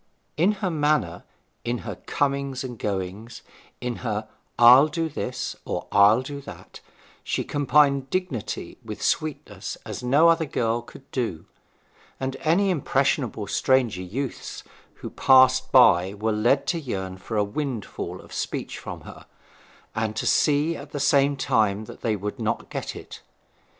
In her manner, in her comings and goings, in her 'I'll do this,' or 'I'll do that,' she combined dignity with sweetness as no other girl could do; and any impressionable stranger youths who passed by were led to yearn for a windfall of speech from her, and to see at the same time that they would not get it.